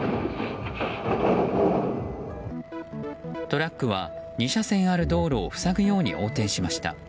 トラックは２車線ある道路を塞ぐように横転しました。